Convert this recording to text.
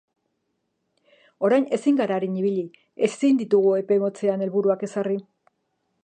Orain ezin gara arin ibili, ezin ditugu epe motzean helburuak ezarri.